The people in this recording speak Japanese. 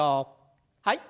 はい。